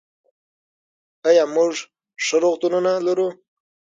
آیا موږ ښه روغتونونه لرو؟